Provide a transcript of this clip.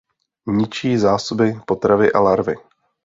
Ničí zásoby potravy a larvy.